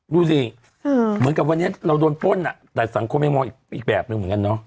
ดูสิเหมือนกับวันนี้เราโดนปล้นศัลงค์โครมยังไม่มองอีกแบบหนึ่งเหมือนกัน